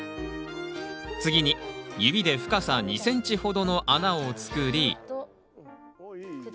次に指で深さ２ｃｍほどの穴を作り